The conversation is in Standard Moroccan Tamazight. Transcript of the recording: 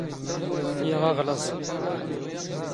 ⵢⴰⵖ ⴰⵖ ⵍⴰⵥ.